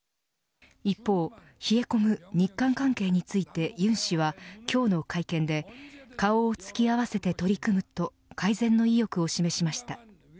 一方、冷え込む日韓関係について尹氏は今日の会見で顔を突き合わせて取り組むと改善の意欲を示しました。